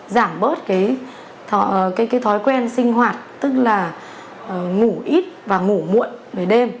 giảm bớt cái thói quen sinh hoạt tức là ngủ ít và ngủ muộn về đêm